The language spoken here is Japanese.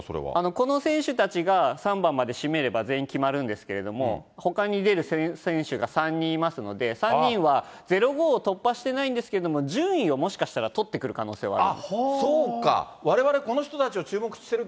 この選手たちが３番まで占めれば全員決まるんですけれども、ほかに出る選手が３人いますので、３人は０５を突破してないんですけれども、順位をもしかしたら取ってくる可能性がある。